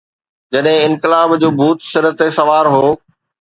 جڏهن انقلاب جو ڀوت سر تي سوار هو.